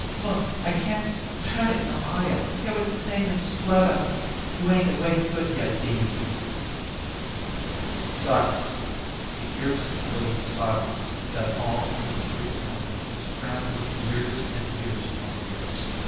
Look I can't turn it no higher. Hear it sing and splutter. You ain't awake good yet, Dee Dee." Silence the ear splitting silence that all in its brief moment is crammed with years and years upon years.